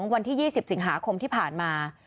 วันที่๒๐สิงหาคมที่ผ่านมา